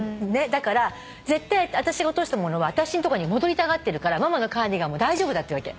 「だから絶対あたしが落としたものはあたしのとこに戻りたがってるからママのカーディガンも大丈夫だ」って言うわけ。